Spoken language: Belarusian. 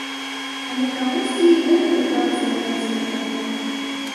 Але камусьці і гэтую працу рабіць трэба.